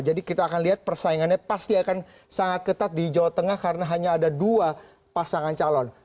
jadi kita akan lihat persaingannya pasti akan sangat ketat di jawa tengah karena hanya ada dua pasangan calon